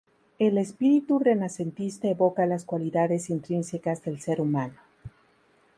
El espíritu renacentista evoca las cualidades intrínsecas del ser humano.